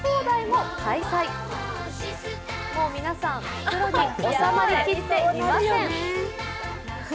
もう皆さん、袋に収まりきっていません。